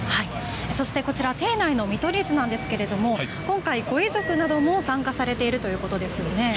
そしてこちら廷内の見取り図ですが今回ご遺族なども参加されているということですよね。